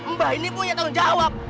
mbak ini punya tanggung jawab